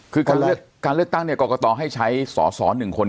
คือการเลือกตั้งเนี่ยกรกตให้ใช้สอสอ๑คน